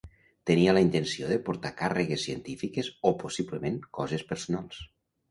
Tenia la intenció de portar càrregues científiques o, possiblement, coses personals.